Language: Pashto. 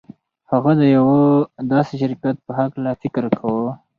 هغه د يوه داسې شرکت په هکله فکر کاوه.